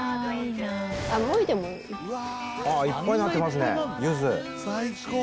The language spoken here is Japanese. いっぱいなってますねゆず。